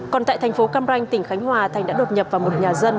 còn tại thành phố cam ranh tỉnh khánh hòa thành đã đột nhập vào một nhà dân